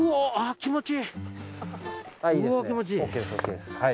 気持ちいい。